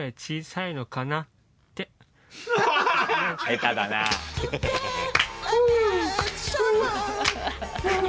下手だなあ。